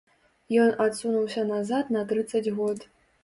Ён адсунуўся назад на трыццаць год.